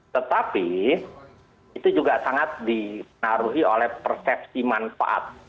tetapi itu juga sangat dipengaruhi oleh persepsi manfaat